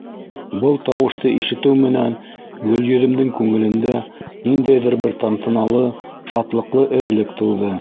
Был тауышты ишетеү менән Гөлйөҙөмдөң күңелендә ниндәйҙер бер тантаналы, шатлыҡлы эрелек тыуҙы.